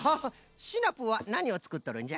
シナプーはなにをつくっとるんじゃ？